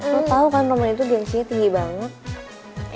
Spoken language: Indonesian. lo tau kan roman itu gansinya tinggi banget